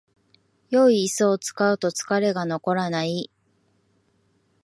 良いイスを使うと疲れが残らない